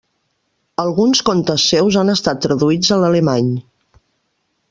Alguns contes seus han estat traduïts a l'alemany.